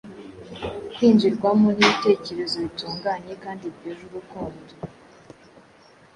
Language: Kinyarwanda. kwinjirwamo n’ibitekerezo bitunganye kandi byuje urukundo,